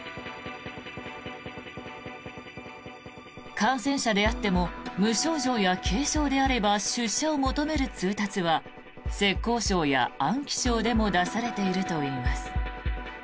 感染者であっても無症状や軽症であれば出社を求める通達は浙江省や安徽省でも出されているといいます。